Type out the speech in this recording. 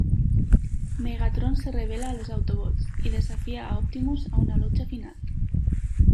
Megatron se revela a los Autobots, y desafía a Optimus a una lucha final.